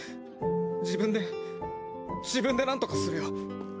自分で自分でなんとかするよ。